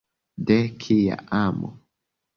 De kia amo?